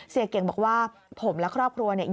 เก่งบอกว่าผมและครอบครัวเนี่ย